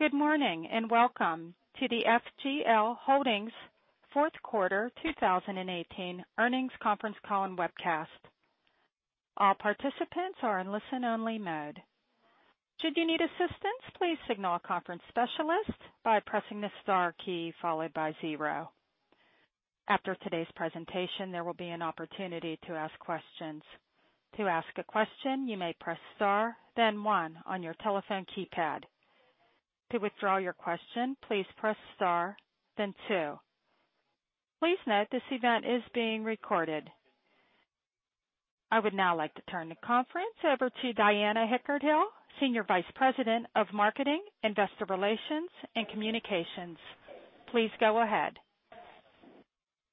Good morning, and welcome to the FGL Holdings fourth quarter 2018 earnings conference call and webcast. All participants are in listen-only mode. Should you need assistance, please signal a conference specialist by pressing the star key followed by zero. After today's presentation, there will be an opportunity to ask questions. To ask a question, you may press star then one on your telephone keypad. To withdraw your question, please press star then two. Please note this event is being recorded. I would now like to turn the conference over to Diana Hickert-Hill, Senior Vice President of Marketing, Investor Relations, and Communications. Please go ahead.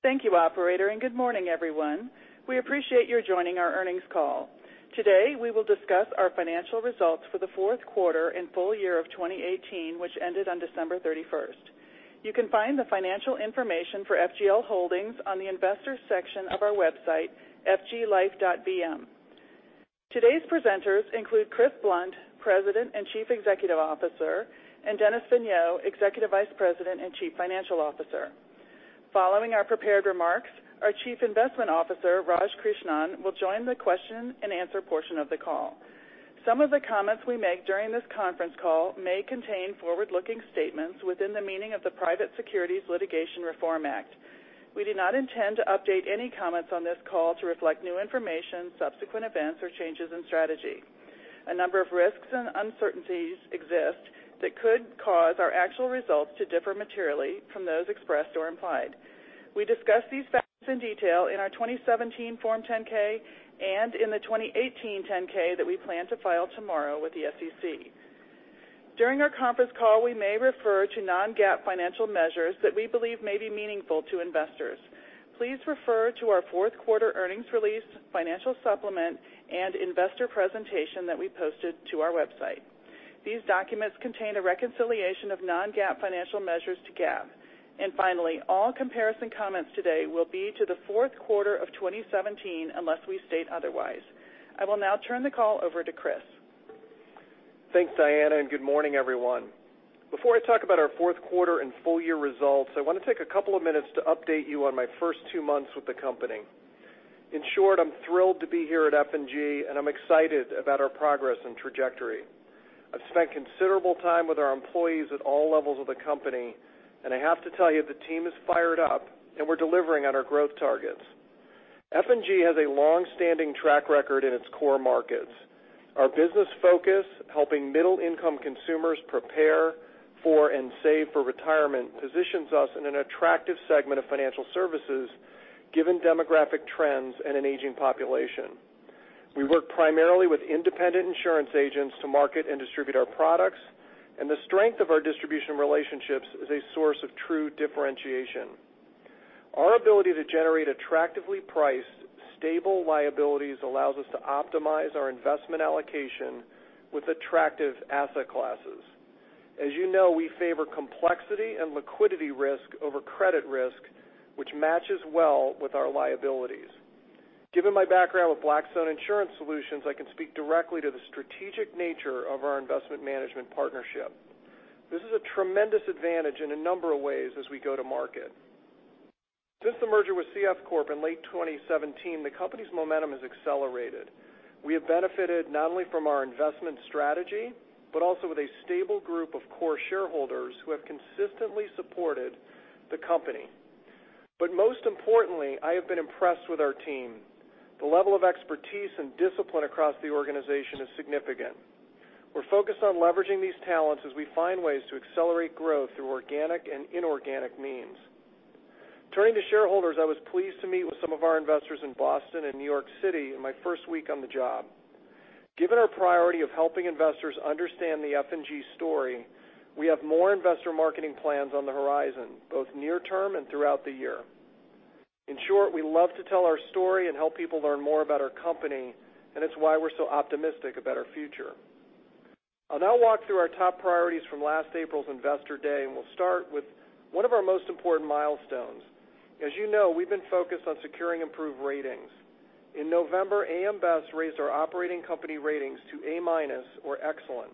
Thank you, operator. Good morning, everyone. We appreciate your joining our earnings call. Today, we will discuss our financial results for the fourth quarter and full year of 2018, which ended on December 31st. You can find the financial information for FGL Holdings on the investors section of our website, fglife.bm. Today's presenters include Chris Blunt, President and Chief Executive Officer, and Dennis Vigneault, Executive Vice President and Chief Financial Officer. Following our prepared remarks, our Chief Investment Officer, Raj Krishnan, will join the question and answer portion of the call. Some of the comments we make during this conference call may contain forward-looking statements within the meaning of the Private Securities Litigation Reform Act. We do not intend to update any comments on this call to reflect new information, subsequent events, or changes in strategy. A number of risks and uncertainties exist that could cause our actual results to differ materially from those expressed or implied. We discuss these facts in detail in our 2017 Form 10-K and in the 2018 10-K that we plan to file tomorrow with the SEC. During our conference call, we may refer to non-GAAP financial measures that we believe may be meaningful to investors. Please refer to our fourth-quarter earnings release, financial supplement, and investor presentation that we posted to our website. These documents contain a reconciliation of non-GAAP financial measures to GAAP. Finally, all comparison comments today will be to the fourth quarter of 2017 unless we state otherwise. I will now turn the call over to Chris. Thanks, Diana. Good morning, everyone. Before I talk about our fourth quarter and full year results, I want to take a couple of minutes to update you on my first two months with the company. In short, I'm thrilled to be here at F&G. I'm excited about our progress and trajectory. I've spent considerable time with our employees at all levels of the company. I have to tell you the team is fired up, and we're delivering on our growth targets. F&G has a long-standing track record in its core markets. Our business focus, helping middle-income consumers prepare for and save for retirement, positions us in an attractive segment of financial services given demographic trends and an aging population. We work primarily with independent insurance agents to market and distribute our products. The strength of our distribution relationships is a source of true differentiation. Our ability to generate attractively priced, stable liabilities allows us to optimize our investment allocation with attractive asset classes. As you know, we favor complexity and liquidity risk over credit risk, which matches well with our liabilities. Given my background with Blackstone Insurance Solutions, I can speak directly to the strategic nature of our investment management partnership. This is a tremendous advantage in a number of ways as we go to market. Since the merger with CF Corp in late 2017, the company's momentum has accelerated. We have benefited not only from our investment strategy, but also with a stable group of core shareholders who have consistently supported the company. Most importantly, I have been impressed with our team. The level of expertise and discipline across the organization is significant. We're focused on leveraging these talents as we find ways to accelerate growth through organic and inorganic means. Turning to shareholders, I was pleased to meet with some of our investors in Boston and New York City in my first week on the job. Given our priority of helping investors understand the F&G story, we have more investor marketing plans on the horizon, both near-term and throughout the year. In short, we love to tell our story and help people learn more about our company, it's why we're so optimistic about our future. I'll now walk through our top priorities from last April's Investor Day, we'll start with one of our most important milestones. As you know, we've been focused on securing improved ratings. In November, AM Best raised our operating company ratings to A-minus or excellent.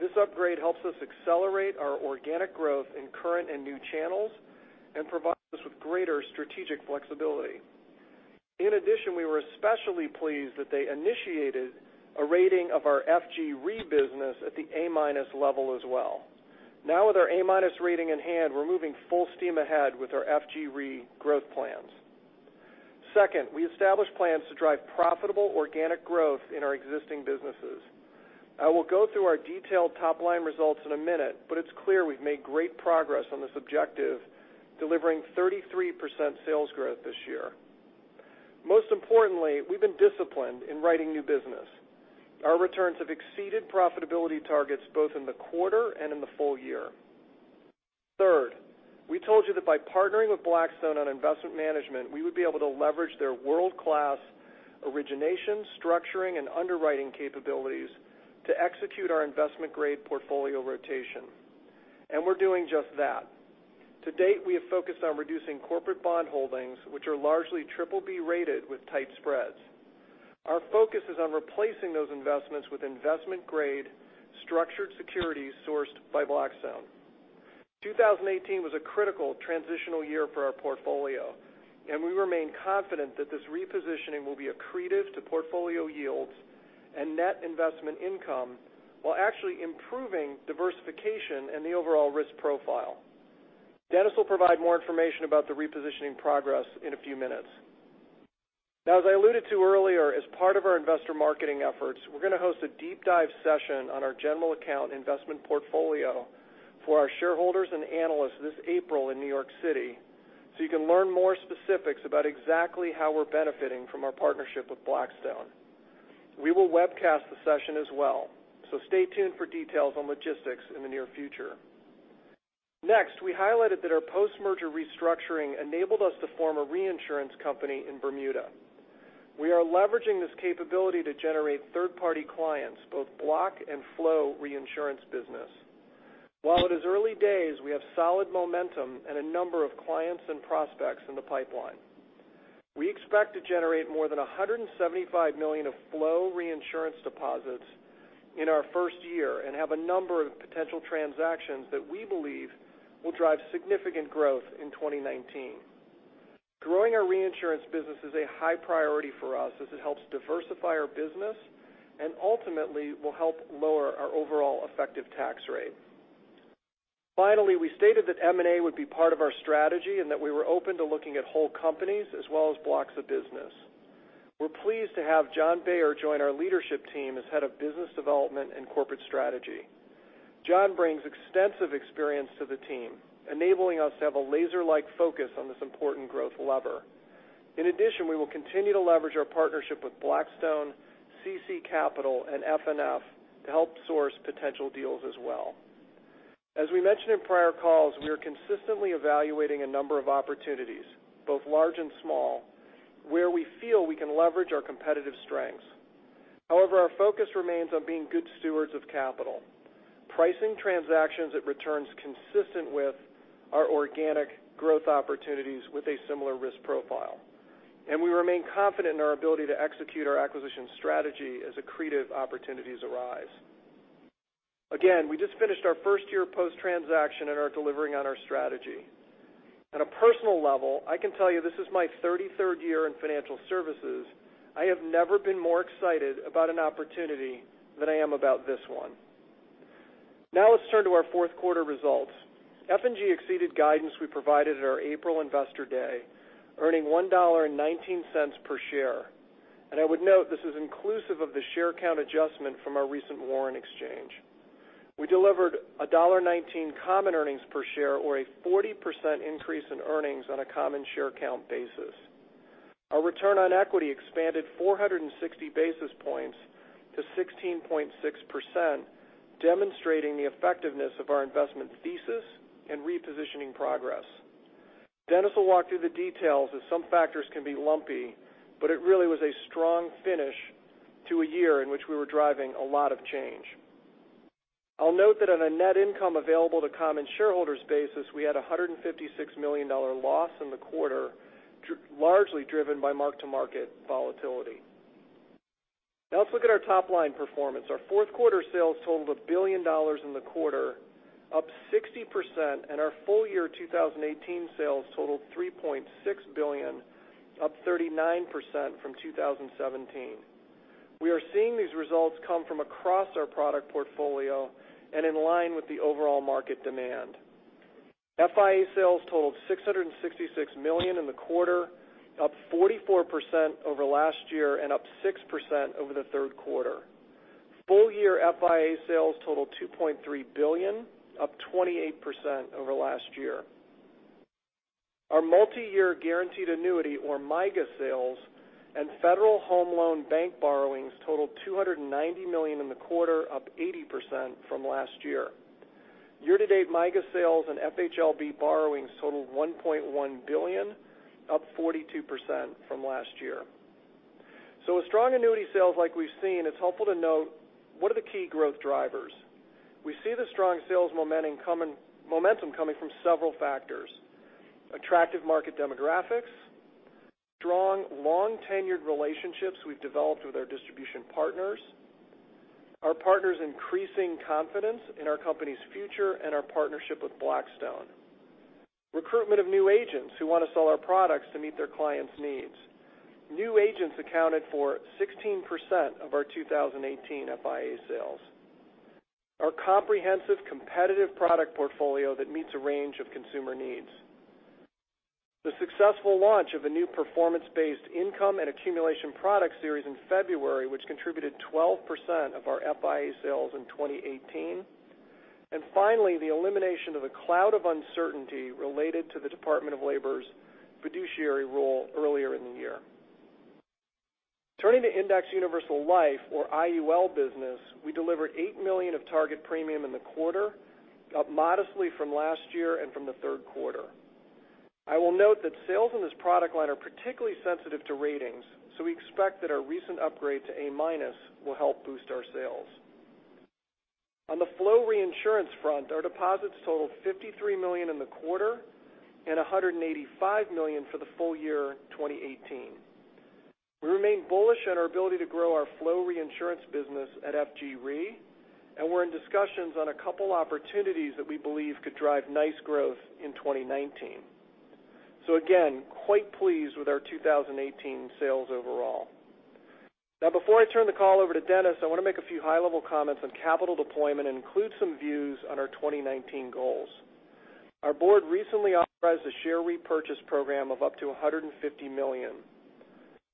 This upgrade helps us accelerate our organic growth in current and new channels and provides us with greater strategic flexibility. In addition, we were especially pleased that they initiated a rating of our F&G Re business at the A-minus level as well. Now with our A-minus rating in hand, we're moving full steam ahead with our F&G Re growth plans. Second, we established plans to drive profitable organic growth in our existing businesses. I will go through our detailed top-line results in a minute, but it's clear we've made great progress on this objective, delivering 33% sales growth this year. Most importantly, we've been disciplined in writing new business. Our returns have exceeded profitability targets both in the quarter and in the full year. Third, we told you that by partnering with Blackstone on investment management, we would be able to leverage their world-class origination, structuring, and underwriting capabilities to execute our investment-grade portfolio rotation. We're doing just that. To date, we have focused on reducing corporate bond holdings, which are largely BBB rated with tight spreads. Our focus is on replacing those investments with investment-grade structured securities sourced by Blackstone. 2018 was a critical transitional year for our portfolio, we remain confident that this repositioning will be accretive to portfolio yields and net investment income, while actually improving diversification and the overall risk profile. Dennis will provide more information about the repositioning progress in a few minutes. As I alluded to earlier, as part of our investor marketing efforts, we're going to host a deep dive session on our general account investment portfolio for our shareholders and analysts this April in New York City so you can learn more specifics about exactly how we're benefiting from our partnership with Blackstone. We will webcast the session as well, stay tuned for details on logistics in the near future. Next, we highlighted that our post-merger restructuring enabled us to form a reinsurance company in Bermuda. We are leveraging this capability to generate third-party clients, both block and flow reinsurance business. While it is early days, we have solid momentum and a number of clients and prospects in the pipeline. We expect to generate more than $175 million of flow reinsurance deposits in our first year and have a number of potential transactions that we believe will drive significant growth in 2019. Growing our reinsurance business is a high priority for us as it helps diversify our business and ultimately will help lower our overall effective tax rate. Finally, we stated that M&A would be part of our strategy and that we were open to looking at whole companies as well as blocks of business. We're pleased to have John Byler join our leadership team as Head of Business Development and Corporate Strategy. John brings extensive experience to the team, enabling us to have a laser-like focus on this important growth lever. In addition, we will continue to leverage our partnership with Blackstone, CC Capital, and FNF to help source potential deals as well. As we mentioned in prior calls, we are consistently evaluating a number of opportunities, both large and small, where we feel we can leverage our competitive strengths. Our focus remains on being good stewards of capital, pricing transactions at returns consistent with our organic growth opportunities with a similar risk profile. We remain confident in our ability to execute our acquisition strategy as accretive opportunities arise. Again, we just finished our first year post-transaction and are delivering on our strategy. At a personal level, I can tell you this is my 33rd year in financial services. I have never been more excited about an opportunity than I am about this one. Now let's turn to our fourth quarter results. F&G exceeded guidance we provided at our April investor day, earning $1.19 per share. I would note, this is inclusive of the share count adjustment from our recent warrant exchange. We delivered $1.19 common earnings per share or a 40% increase in earnings on a common share count basis. Our return on equity expanded 460 basis points to 16.6%, demonstrating the effectiveness of our investment thesis and repositioning progress. Dennis will walk through the details as some factors can be lumpy, it really was a strong finish to a year in which we were driving a lot of change. I'll note that on a net income available to common shareholders basis, we had a $156 million loss in the quarter, largely driven by mark-to-market volatility. Now let's look at our top-line performance. Our fourth quarter sales totaled $1 billion in the quarter, up 60%, and our full-year 2018 sales totaled $3.6 billion, up 39% from 2017. We are seeing these results come from across our product portfolio and in line with the overall market demand. FIA sales totaled $666 million in the quarter, up 44% over last year and up 6% over the third quarter. Full-year FIA sales totaled $2.3 billion, up 28% over last year. Our Multi-Year Guaranteed Annuity, or MYGA, sales and Federal Home Loan Bank borrowings totaled $290 million in the quarter, up 80% from last year. Year-to-date MYGA sales and FHLB borrowings totaled $1.1 billion, up 42% from last year. With strong annuity sales like we've seen, it's helpful to note what are the key growth drivers. We see the strong sales momentum coming from several factors, attractive market demographics, strong, long-tenured relationships we've developed with our distribution partners, our partners' increasing confidence in our company's future and our partnership with Blackstone. Recruitment of new agents who want to sell our products to meet their clients' needs. New agents accounted for 16% of our 2018 FIA sales. Our comprehensive competitive product portfolio that meets a range of consumer needs. The successful launch of a new performance-based income and accumulation product series in February, which contributed 12% of our FIA sales in 2018, and finally, the elimination of a cloud of uncertainty related to the Department of Labor's fiduciary rule earlier in the year. Turning to Indexed Universal Life, or IUL business, we delivered $8 million of target premium in the quarter, up modestly from last year and from the third quarter. I will note that sales in this product line are particularly sensitive to ratings, so we expect that our recent upgrade to A- will help boost our sales. On the flow reinsurance front, our deposits totaled $53 million in the quarter and $185 million for the full year 2018. We remain bullish on our ability to grow our flow reinsurance business at F&G Re, and we're in discussions on a couple opportunities that we believe could drive nice growth in 2019. Again, quite pleased with our 2018 sales overall. Before I turn the call over to Dennis, I want to make a few high-level comments on capital deployment and include some views on our 2019 goals. Our board recently authorized a share repurchase program of up to $150 million.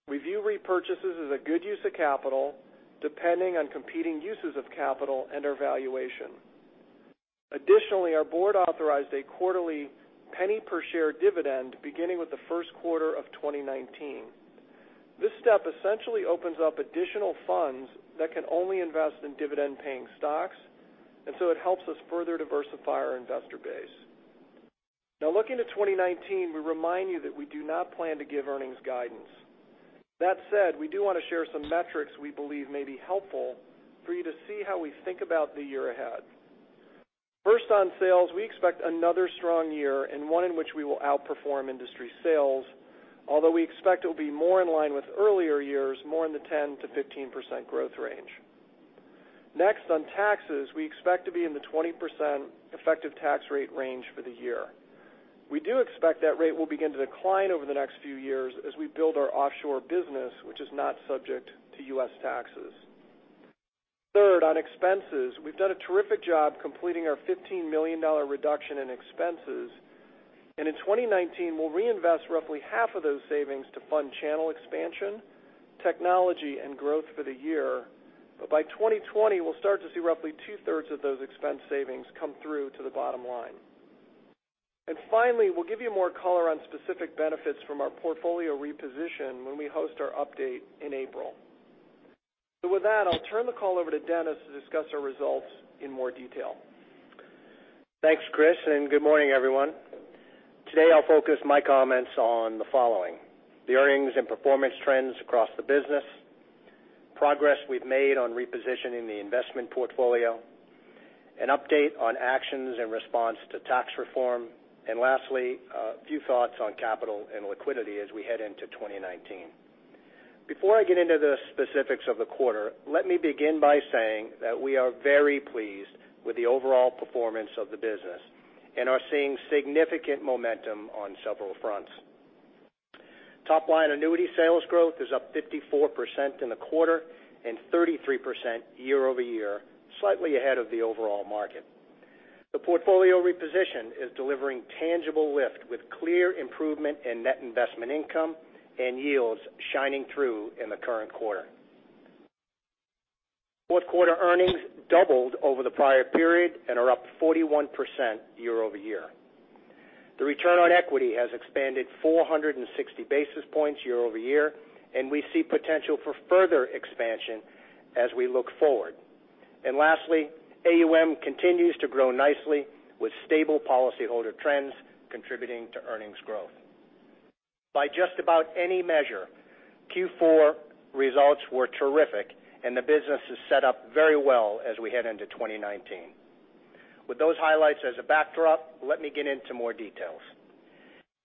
We view repurchases as a good use of capital, depending on competing uses of capital and our valuation. Additionally, our board authorized a quarterly penny per share dividend beginning with the first quarter of 2019. This step essentially opens up additional funds that can only invest in dividend-paying stocks, it helps us further diversify our investor base. Looking to 2019, we remind you that we do not plan to give earnings guidance. That said, we do want to share some metrics we believe may be helpful for you to see how we think about the year ahead. First, on sales, we expect another strong year and one in which we will outperform industry sales, although we expect it will be more in line with earlier years, more in the 10%-15% growth range. Next, on taxes, we expect to be in the 20% effective tax rate range for the year. We do expect that rate will begin to decline over the next few years as we build our offshore business, which is not subject to U.S. taxes. Third, on expenses, we've done a terrific job completing our $15 million reduction in expenses. In 2019, we'll reinvest roughly half of those savings to fund channel expansion, technology, and growth for the year. By 2020, we'll start to see roughly two-thirds of those expense savings come through to the bottom line. Finally, we'll give you more color on specific benefits from our portfolio reposition when we host our update in April. With that, I'll turn the call over to Dennis to discuss our results in more detail. Thanks, Chris. Good morning, everyone. Today I'll focus my comments on the following: the earnings and performance trends across the business, progress we've made on repositioning the investment portfolio, an update on actions in response to tax reform, and lastly, a few thoughts on capital and liquidity as we head into 2019. Before I get into the specifics of the quarter, let me begin by saying that we are very pleased with the overall performance of the business and are seeing significant momentum on several fronts. Top-line annuity sales growth is up 54% in the quarter and 33% year-over-year, slightly ahead of the overall market. The portfolio reposition is delivering tangible lift with clear improvement in net investment income and yields shining through in the current quarter. Fourth quarter earnings doubled over the prior period and are up 41% year-over-year. The return on equity has expanded 460 basis points year-over-year. We see potential for further expansion as we look forward. Lastly, AUM continues to grow nicely with stable policyholder trends contributing to earnings growth. By just about any measure, Q4 results were terrific. The business is set up very well as we head into 2019. With those highlights as a backdrop, let me get into more details.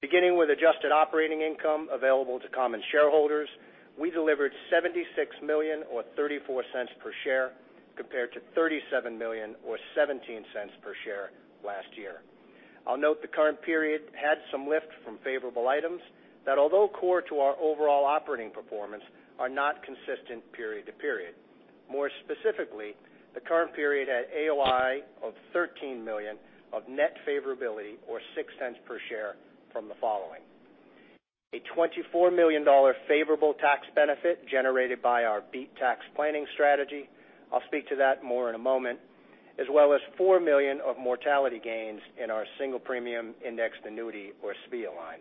Beginning with Adjusted Operating Income available to common shareholders, we delivered $76 million or $0.34 per share compared to $37 million or $0.17 per share last year. I'll note the current period had some lift from favorable items that, although core to our overall operating performance, are not consistent period to period. More specifically, the current period had AOI of $13 million of net favorability or $0.06 per share from the following: a $24 million favorable tax benefit generated by our BEAT tax planning strategy. I'll speak to that more in a moment, as well as $4 million of mortality gains in our single premium indexed annuity or SPIA line.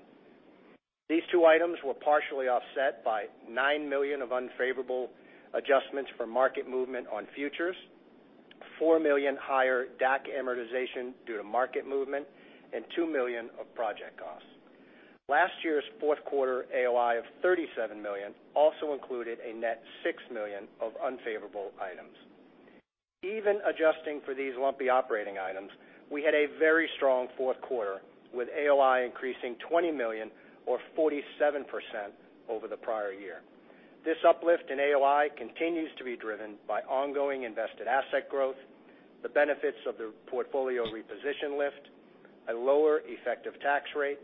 These two items were partially offset by $9 million of unfavorable adjustments for market movement on futures, $4 million higher DAC amortization due to market movement, and $2 million of project costs. Last year's fourth quarter AOI of $37 million also included a net $6 million of unfavorable items. Even adjusting for these lumpy operating items, we had a very strong fourth quarter, with AOI increasing $20 million or 47% over the prior year. This uplift in AOI continues to be driven by ongoing invested asset growth, the benefits of the portfolio reposition lift, a lower effective tax rate,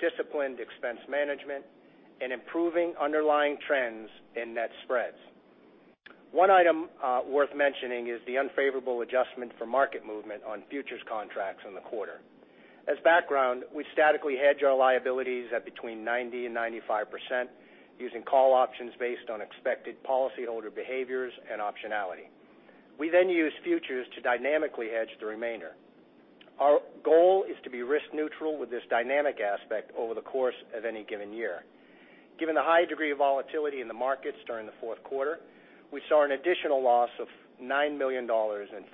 disciplined expense management, and improving underlying trends in net spreads. One item worth mentioning is the unfavorable adjustment for market movement on futures contracts in the quarter. As background, we statically hedge our liabilities at between 90% and 95% using call options based on expected policyholder behaviors and optionality. We then use futures to dynamically hedge the remainder. Our goal is to be risk neutral with this dynamic aspect over the course of any given year. Given the high degree of volatility in the markets during the fourth quarter, we saw an additional loss of $9 million in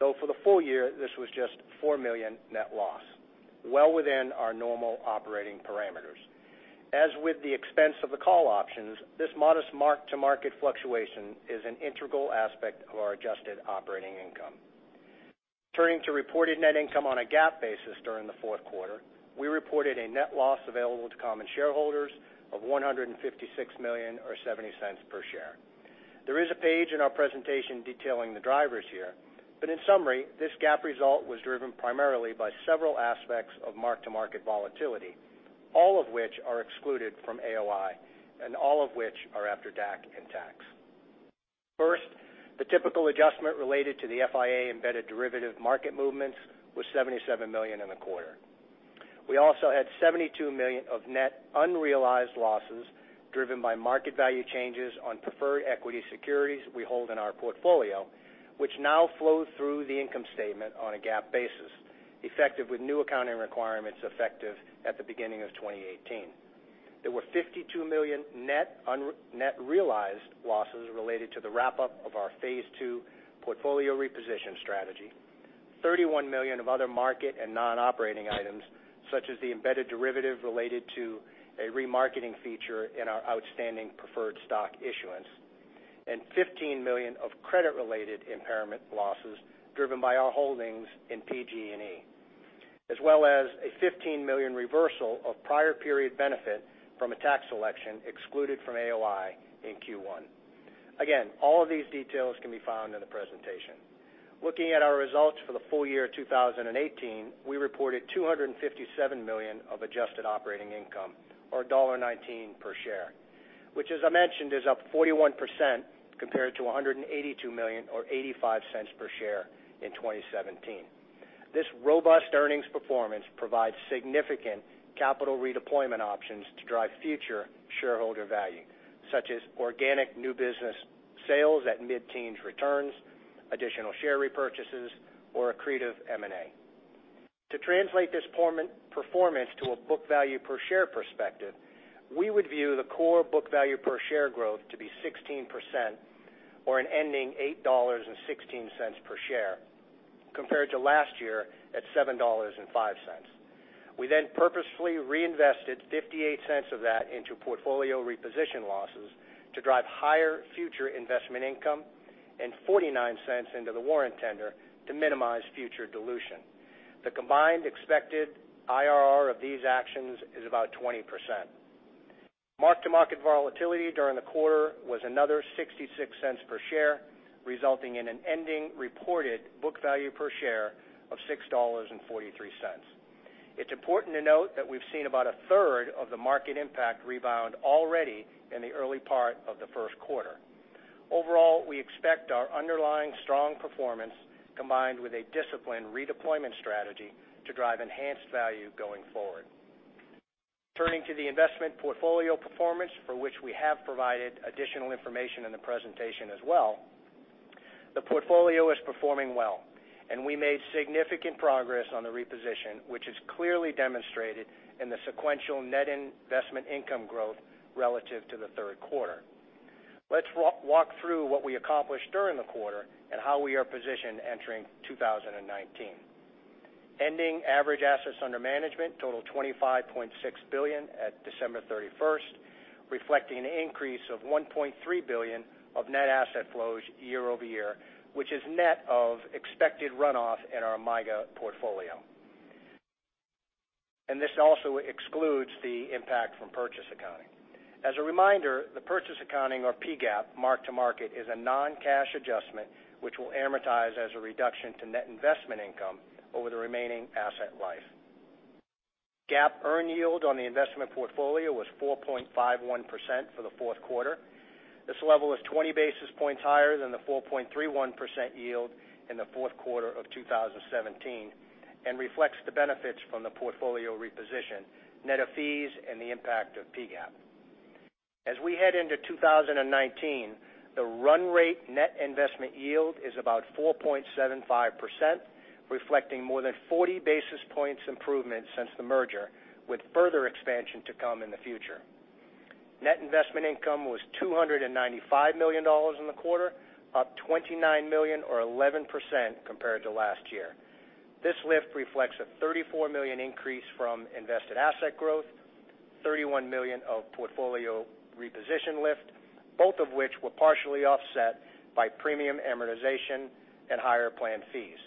4Q. For the full year, this was just $4 million net loss, well within our normal operating parameters. As with the expense of the call options, this modest mark-to-market fluctuation is an integral aspect of our adjusted operating income. Turning to reported net income on a GAAP basis during the fourth quarter, we reported a net loss available to common shareholders of $156 million or $0.70 per share. There is a page in our presentation detailing the drivers here, but in summary, this GAAP result was driven primarily by several aspects of mark-to-market volatility, all of which are excluded from AOI and all of which are after DAC and tax. First, the typical adjustment related to the FIA embedded derivative market movements was $77 million in the quarter. We also had $72 million of net unrealized losses driven by market value changes on preferred equity securities we hold in our portfolio, which now flow through the income statement on a GAAP basis, effective with new accounting requirements effective at the beginning of 2018. There were $52 million net realized losses related to the wrap-up of our phase two portfolio reposition strategy. $31 million of other market and non-operating items such as the embedded derivative related to a remarketing feature in our outstanding preferred stock issuance. $15 million of credit-related impairment losses driven by our holdings in PG&E, as well as a $15 million reversal of prior period benefit from a tax selection excluded from AOI in Q1. Again, all of these details can be found in the presentation. Looking at our results for the full year 2018, we reported $257 million of adjusted operating income or $1.19 per share, which as I mentioned, is up 41% compared to $182 million or $0.85 per share in 2017. This robust earnings performance provides significant capital redeployment options to drive future shareholder value, such as organic new business sales at mid-teens returns, additional share repurchases or accretive M&A. To translate this performance to a book value per share perspective, we would view the core book value per share growth to be 16% or an ending $8.16 per share, compared to last year at $7.05. We then purposefully reinvested $0.58 of that into portfolio reposition losses to drive higher future investment income and $0.49 into the warrant tender to minimize future dilution. The combined expected IRR of these actions is about 20%. Mark-to-market volatility during the quarter was another $0.66 per share, resulting in an ending reported book value per share of $6.43. It's important to note that we've seen about a third of the market impact rebound already in the early part of the first quarter. Overall, we expect our underlying strong performance combined with a disciplined redeployment strategy to drive enhanced value going forward. Turning to the investment portfolio performance for which we have provided additional information in the presentation as well. The portfolio is performing well, and we made significant progress on the reposition, which is clearly demonstrated in the sequential net investment income growth relative to the third quarter. Let's walk through what we accomplished during the quarter and how we are positioned entering 2019. Ending average assets under management total $25.6 billion at December 31st, reflecting an increase of $1.3 billion of net asset flows year-over-year, which is net of expected runoff in our MYGA portfolio. This also excludes the impact from purchase accounting. As a reminder, the purchase accounting or PGAAP mark-to-market is a non-cash adjustment which will amortize as a reduction to net investment income over the remaining asset life. GAAP earn yield on the investment portfolio was 4.51% for the fourth quarter. This level is 20 basis points higher than the 4.31% yield in the fourth quarter of 2017 and reflects the benefits from the portfolio reposition, net of fees and the impact of PGAAP. As we head into 2019, the run rate net investment yield is about 4.75%, reflecting more than 40 basis points improvement since the merger, with further expansion to come in the future. Net investment income was $295 million in the quarter, up $29 million or 11% compared to last year. This lift reflects a $34 million increase from invested asset growth, $31 million of portfolio reposition lift, both of which were partially offset by premium amortization and higher plan fees.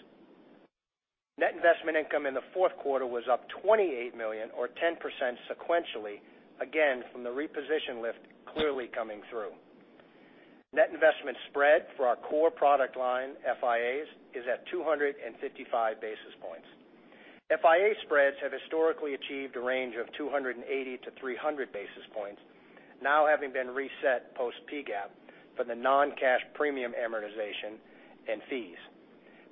Net investment income in the fourth quarter was up $28 million or 10% sequentially, again from the reposition lift clearly coming through. Net investment spread for our core product line, FIAs, is at 255 basis points. FIA spreads have historically achieved a range of 280-300 basis points, now having been reset post PGAAP for the non-cash premium amortization and fees.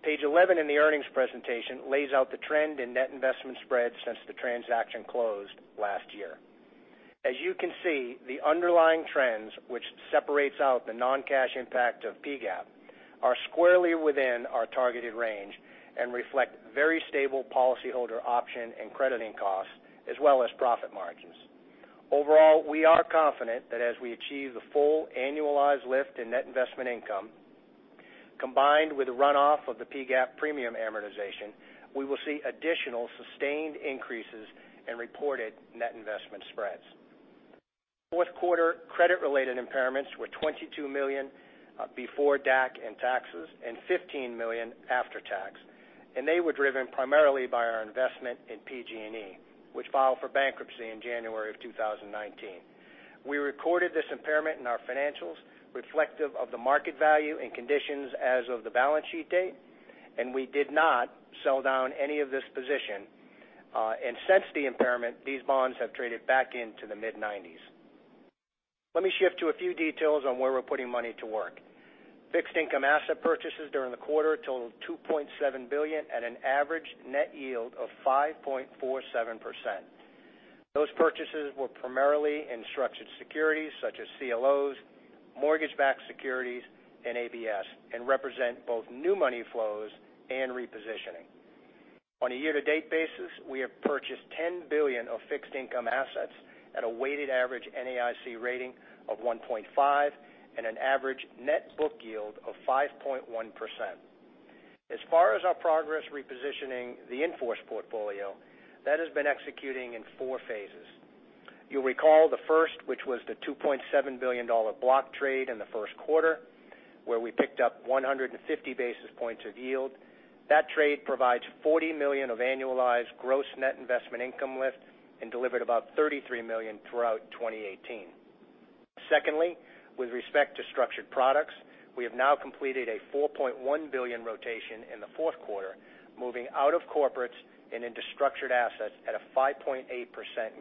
Page 11 in the earnings presentation lays out the trend in net investment spreads since the transaction closed last year. As you can see, the underlying trends, which separates out the non-cash impact of PGAAP are squarely within our targeted range and reflect very stable policyholder option and crediting costs as well as profit margins. Overall, we are confident that as we achieve the full annualized lift in net investment income, combined with the runoff of the PGAAP premium amortization, we will see additional sustained increases in reported net investment spreads. Fourth quarter credit-related impairments were $22 million before DAC and taxes and $15 million after tax. They were driven primarily by our investment in PG&E, which filed for bankruptcy in January of 2019. We recorded this impairment in our financials reflective of the market value and conditions as of the balance sheet date. We did not sell down any of this position. Since the impairment, these bonds have traded back into the mid-90s. Let me shift to a few details on where we're putting money to work. Fixed income asset purchases during the quarter totaled $2.7 billion at an average net yield of 5.47%. Those purchases were primarily in structured securities such as CLOs, mortgage-backed securities, and ABS, and represent both new money flows and repositioning. On a year-to-date basis, we have purchased $10 billion of fixed income assets at a weighted average NAIC rating of 1.5 and an average net book yield of 5.1%. As far as our progress repositioning the in-force portfolio, that has been executing in 4 phases. You'll recall the first, which was the $2.7 billion block trade in the first quarter, where we picked up 150 basis points of yield. That trade provides $40 million of annualized gross net investment income with and delivered about $33 million throughout 2018. Secondly, with respect to structured products, we have now completed a $4.1 billion rotation in the fourth quarter, moving out of corporates and into structured assets at a 5.8%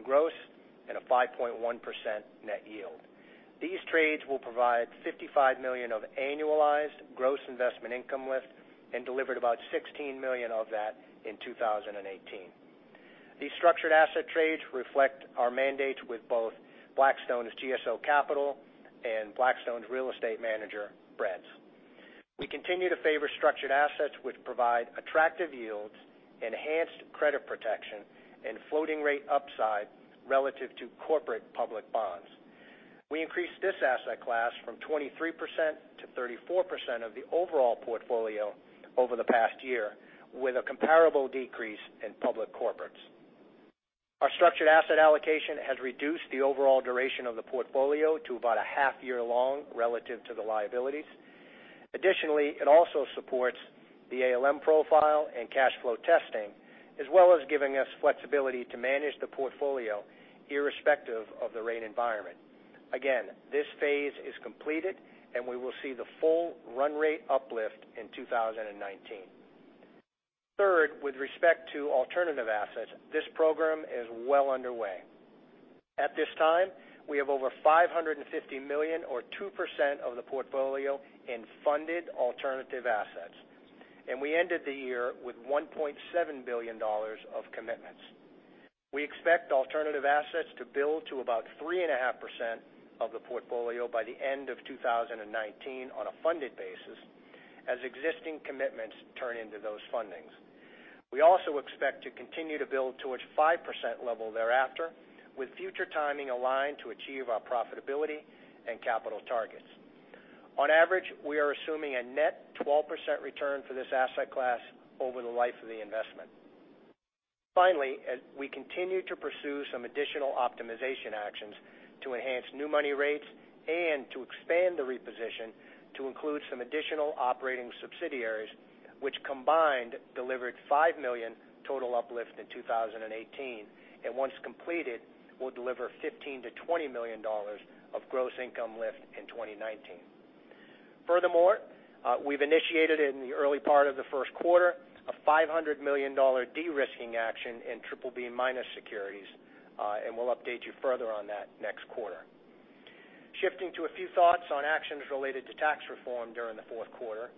gross and a 5.1% net yield. These trades will provide $55 million of annualized gross investment income with and delivered about $16 million of that in 2018. These structured asset trades reflect our mandates with both Blackstone's GSO Capital and Blackstone's real estate manager, BREDS. We continue to favor structured assets which provide attractive yields, enhanced credit protection, and floating rate upside relative to corporate public bonds. We increased this asset class from 23% to 34% of the overall portfolio over the past year with a comparable decrease in public corporates. Our structured asset allocation has reduced the overall duration of the portfolio to about a half year long relative to the liabilities. Additionally, it also supports the ALM profile and cash flow testing, as well as giving us flexibility to manage the portfolio irrespective of the rate environment. Again, this phase is completed, and we will see the full run rate uplift in 2019. Third, with respect to alternative assets, this program is well underway. At this time, we have over $550 million or 2% of the portfolio in funded alternative assets, and we ended the year with $1.7 billion of commitments. We expect alternative assets to build to about 3.5% of the portfolio by the end of 2019 on a funded basis as existing commitments turn into those fundings. We also expect to continue to build towards 5% level thereafter, with future timing aligned to achieve our profitability and capital targets. On average, we are assuming a net 12% return for this asset class over the life of the investment. Finally, we continue to pursue some additional optimization actions to enhance new money rates and to expand the reposition to include some additional operating subsidiaries, which combined delivered $5 million total uplift in 2018, and once completed, will deliver $15 million-$20 million of gross income lift in 2019. Furthermore, we've initiated in the early part of the first quarter a $500 million de-risking action in BBB minus securities, and we'll update you further on that next quarter. Shifting to a few thoughts on actions related to tax reform during the fourth quarter.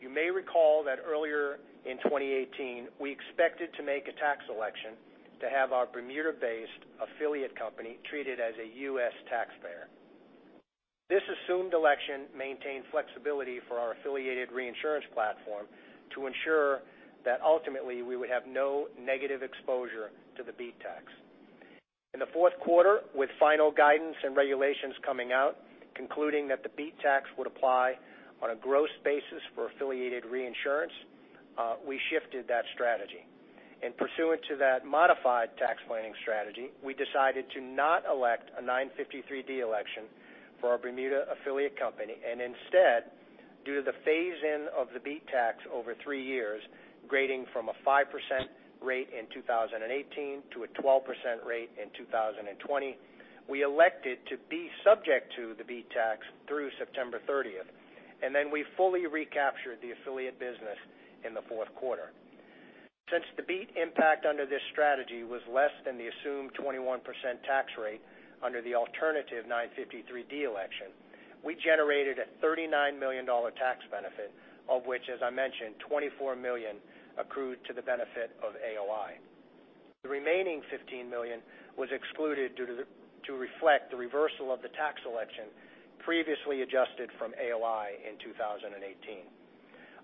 You may recall that earlier in 2018, we expected to make a tax election to have our Bermuda-based affiliate company treated as a U.S. taxpayer. This assumed election maintained flexibility for our affiliated reinsurance platform to ensure that ultimately we would have no negative exposure to the BEAT tax. In the fourth quarter, with final guidance and regulations coming out concluding that the BEAT tax would apply on a gross basis for affiliated reinsurance, we shifted that strategy. In pursuant to that modified tax planning strategy, we decided to not elect a 953 election for our Bermuda affiliate company. Instead, due to the phase-in of the BEAT tax over three years, grading from a 5% rate in 2018 to a 12% rate in 2020, we elected to be subject to the BEAT tax through September 30th. Then we fully recaptured the affiliate business in the fourth quarter. Since the BEAT impact under this strategy was less than the assumed 21% tax rate under the alternative 953 election, we generated a $39 million tax benefit, of which, as I mentioned, $24 million accrued to the benefit of AOI. The remaining $15 million was excluded to reflect the reversal of the tax election previously adjusted from AOI in 2018.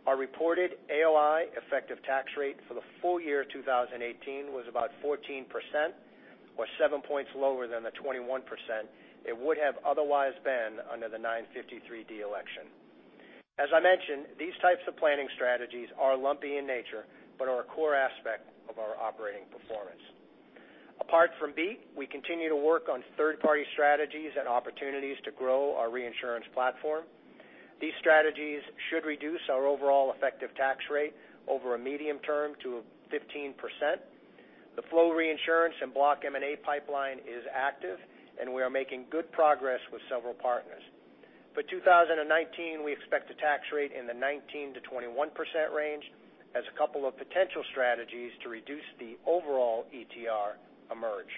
Our reported AOI effective tax rate for the full year 2018 was about 14%, or seven points lower than the 21% it would have otherwise been under the 953(d) election. As I mentioned, these types of planning strategies are lumpy in nature, but are a core aspect of our operating performance. Apart from BEAT, we continue to work on third-party strategies and opportunities to grow our reinsurance platform. These strategies should reduce our overall effective tax rate over a medium term to 15%. The flow reinsurance and block M&A pipeline is active. We are making good progress with several partners. For 2019, we expect a tax rate in the 19%-21% range as a couple of potential strategies to reduce the overall ETR emerge.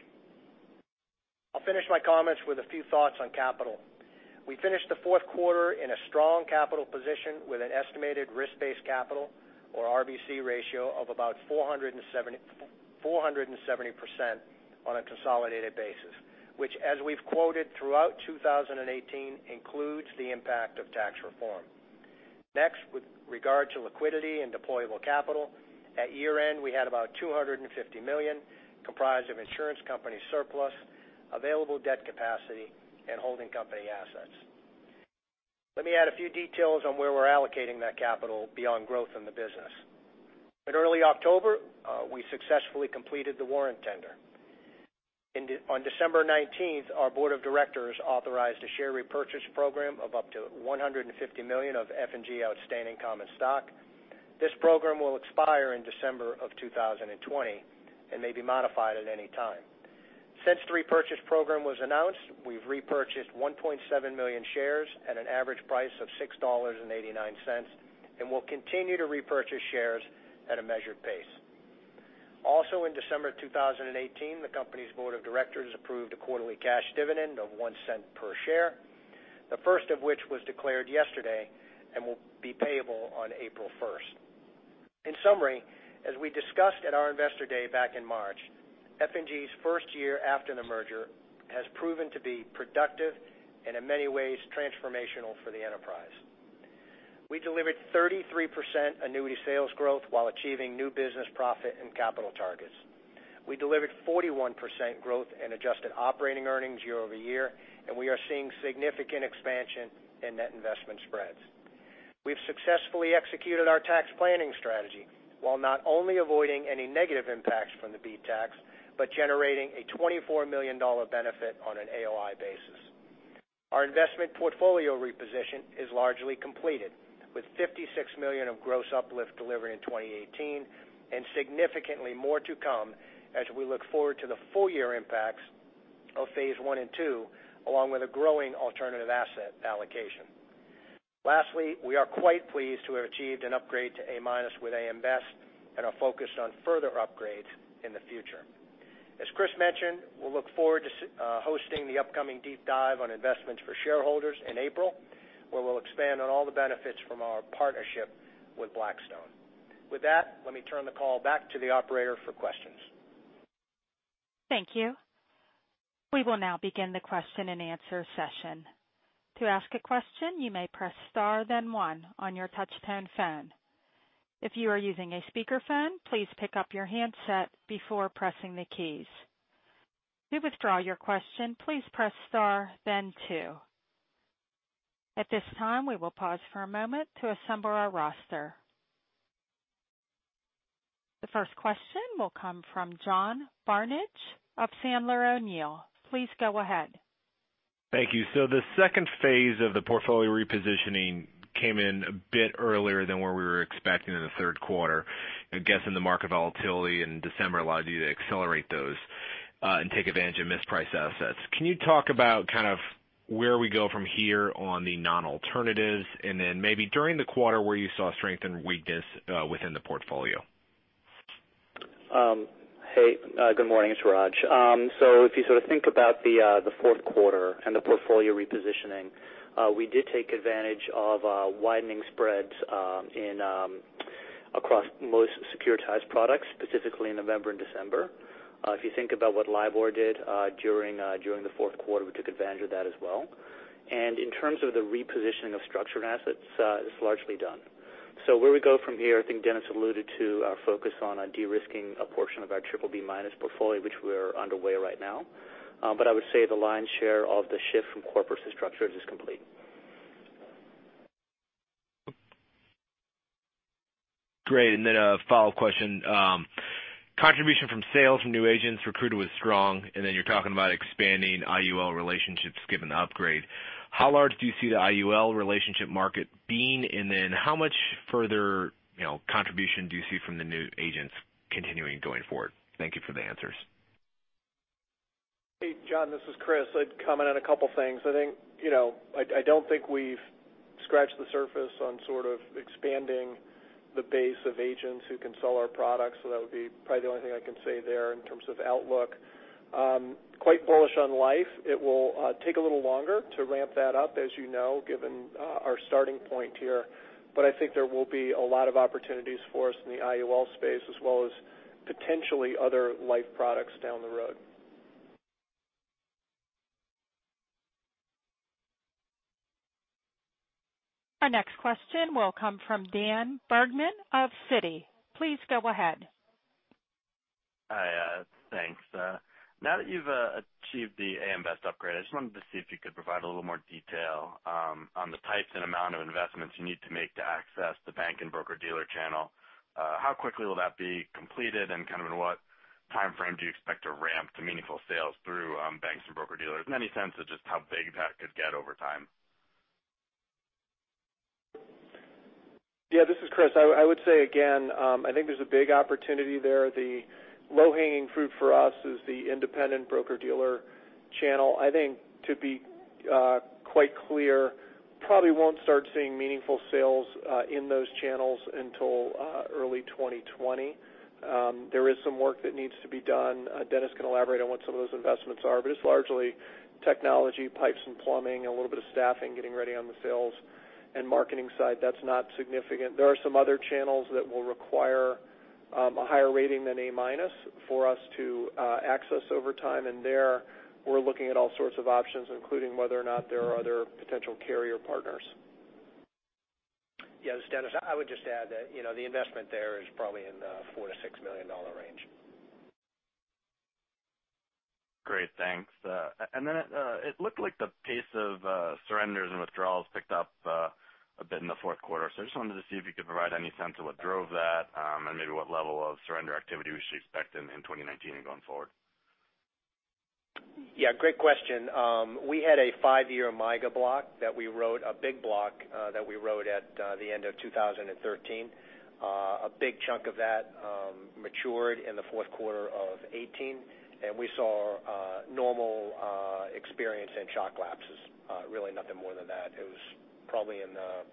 I'll finish my comments with a few thoughts on capital. We finished the fourth quarter in a strong capital position with an estimated risk-based capital, or RBC ratio of about 470% on a consolidated basis, which as we've quoted throughout 2018, includes the impact of tax reform. Next, with regard to liquidity and deployable capital, at year-end, we had about $250 million comprised of insurance company surplus, available debt capacity, and holding company assets. Let me add a few details on where we're allocating that capital beyond growth in the business. In early October, we successfully completed the warrant tender. On December 19th, our board of directors authorized a share repurchase program of up to $150 million of F&G outstanding common stock. This program will expire in December of 2020 and may be modified at any time. Since the repurchase program was announced, we've repurchased 1.7 million shares at an average price of $6.89. Will continue to repurchase shares at a measured pace. Also, in December 2018, the company's board of directors approved a quarterly cash dividend of $0.01 per share, the first of which was declared yesterday and will be payable on April 1st. In summary, as we discussed at our investor day back in March, F&G's first year after the merger has proven to be productive and in many ways transformational for the enterprise. We delivered 33% annuity sales growth while achieving new business profit and capital targets. We delivered 41% growth in adjusted operating earnings year-over-year. We are seeing significant expansion in net investment spreads. We've successfully executed our tax planning strategy while not only avoiding any negative impacts from the BEAT tax, but generating a $24 million benefit on an AOI basis. Our investment portfolio reposition is largely completed with $56 million of gross uplift delivered in 2018 and significantly more to come as we look forward to the full-year impacts of phase one and two, along with a growing alternative asset allocation. Lastly, we are quite pleased to have achieved an upgrade to A- with AM Best and are focused on further upgrades in the future. As Chris mentioned, we'll look forward to hosting the upcoming deep dive on investments for shareholders in April, where we'll expand on all the benefits from our partnership with Blackstone. With that, let me turn the call back to the operator for questions. Thank you. We will now begin the question and answer session. To ask a question, you may press star then one on your touch-tone phone. If you are using a speakerphone, please pick up your handset before pressing the keys. To withdraw your question, please press star then two. At this time, we will pause for a moment to assemble our roster. The first question will come from John Barnidge of Sandler O'Neill. Please go ahead. Thank you. The second phase of the portfolio repositioning came in a bit earlier than where we were expecting in the third quarter. I guess in the market volatility in December allowed you to accelerate those and take advantage of mispriced assets. Can you talk about where we go from here on the non-alternatives, and then maybe during the quarter where you saw strength and weakness within the portfolio? Hey, good morning. It's Raj. If you sort of think about the fourth quarter and the portfolio repositioning, we did take advantage of widening spreads across most securitized products, specifically in November and December. If you think about what LIBOR did during the fourth quarter, we took advantage of that as well. In terms of the repositioning of structured assets, it's largely done. Where we go from here, I think Dennis alluded to our focus on de-risking a portion of our BBB- portfolio, which we're underway right now. I would say the lion's share of the shift from corporates to structured is complete. Great. A follow-up question. Contribution from sales from new agents recruited was strong. You're talking about expanding IUL relationships given the upgrade. How large do you see the IUL relationship market being? How much further contribution do you see from the new agents continuing going forward? Thank you for the answers. Hey, John, this is Chris. I'd comment on a couple things. I don't think we've scratched the surface on sort of expanding the base of agents who can sell our products. That would be probably the only thing I can say there in terms of outlook. I'm quite bullish on life. It will take a little longer to ramp that up, as you know, given our starting point here. I think there will be a lot of opportunities for us in the IUL space as well as potentially other life products down the road. Our next question will come from Dan Bergman of Citi. Please go ahead. Hi. Thanks. Now that you've achieved the AM Best upgrade, I just wanted to see if you could provide a little more detail on the types and amount of investments you need to make to access the bank and broker-dealer channel. How quickly will that be completed and in what timeframe do you expect to ramp to meaningful sales through banks and broker-dealers? Any sense of just how big that could get over time? Yeah. This is Chris. I would say, again, I think there's a big opportunity there. The low-hanging fruit for us is the independent broker-dealer channel. I think, to be quite clear, probably won't start seeing meaningful sales in those channels until early 2020. There is some work that needs to be done. Dennis can elaborate on what some of those investments are, but it's largely technology, pipes and plumbing, a little bit of staffing, getting ready on the sales and marketing side. That's not significant. There are some other channels that will require a higher rating than A- for us to access over time, there we're looking at all sorts of options, including whether or not there are other potential carrier partners. Yes, Dennis, I would just add that the investment there is probably in the $4 million-$6 million range. Great. Thanks. It looked like the pace of surrenders and withdrawals picked up a bit in the fourth quarter. I just wanted to see if you could provide any sense of what drove that, and maybe what level of surrender activity we should expect in 2019 and going forward. Yeah, great question. We had a five-year MYGA block that we wrote, a big block that we wrote at the end of 2013. A big chunk of that matured in the fourth quarter of 2018, and we saw a normal experience in shock lapses. Really nothing more than that. It was probably in the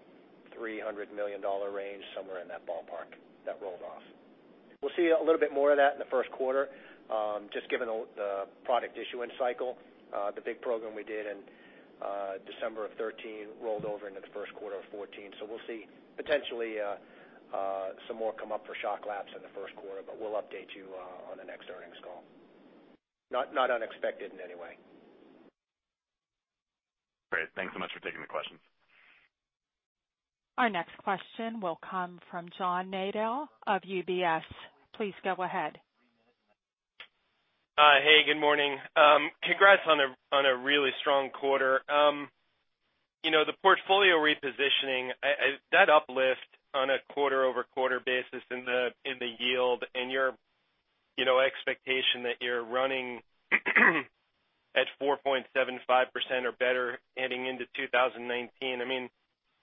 $300 million range, somewhere in that ballpark that rolled off. We'll see a little bit more of that in the first quarter, just given the product issuance cycle. The big program we did in December of 2013 rolled over into the first quarter of 2014. We'll see potentially some more come up for shock lapse in the first quarter, but we'll update you on the next earnings call. Not unexpected in any way. Great. Thanks so much for taking the questions. Our next question will come from John Nadel of UBS. Please go ahead. Hey, good morning. Congrats on a really strong quarter. The portfolio repositioning, that uplift on a quarter-over-quarter basis in the yield and your expectation that you're running at 4.75% or better heading into 2019.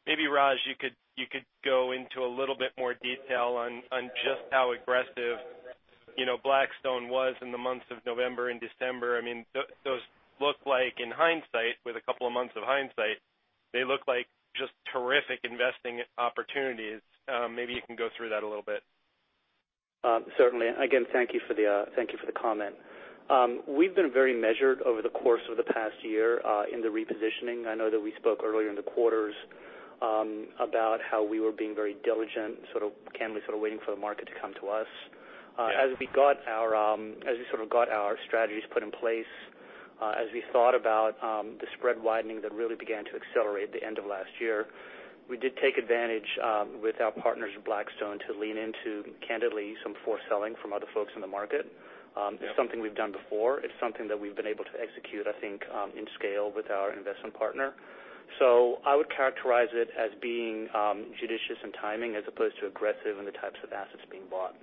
Maybe, Raj, you could go into a little bit more detail on just how aggressive Blackstone was in the months of November and December. Those look like, in hindsight, with a couple of months of hindsight, they look like just terrific investing opportunities. Maybe you can go through that a little bit. Certainly. Again, thank you for the comment. We've been very measured over the course of the past year in the repositioning. I know that we spoke earlier in the quarters about how we were being very diligent, sort of candidly waiting for the market to come to us. Yeah. As we got our strategies put in place, as we thought about the spread widening that really began to accelerate at the end of last year, we did take advantage with our partners at Blackstone to lean into, candidly, some foreselling from other folks in the market. Yeah. It's something we've done before. It's something that we've been able to execute, I think, in scale with our investment partner. I would characterize it as being judicious in timing as opposed to aggressive in the types of assets being bought.